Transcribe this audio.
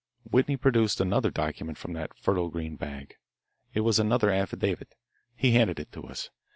Whitney produced another document from that fertile green bag. It was another affidavit. He handed it to us.